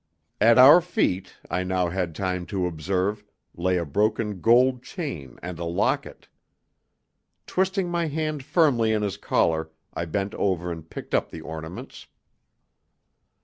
At our feet, I now had time to observe, lay a broken gold chain and a locket. Twisting my hand firmly in his collar I bent over and picked up the ornaments.